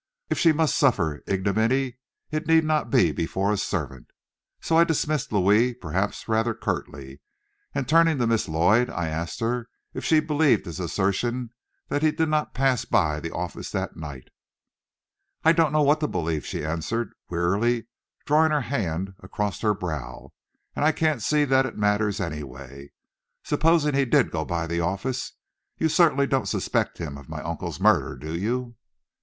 If she must suffer ignominy it need not be before a servant. So I dismissed Louis, perhaps rather curtly, and turning to Miss Lloyd, I asked her if she believed his assertion that he did not pass by the office that night. "I don't know what I believe," she answered, wearily drawing her hand across her brow. "And I can't see that it matters anyway. Supposing he did go by the office, you certainly don't suspect him of my uncle's murder, do you?"